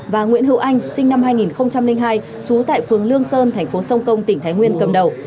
và nguyễn hữu anh sinh năm hai nghìn hai trú tại phường lương sơn thành phố sông công tỉnh thái nguyên cầm đầu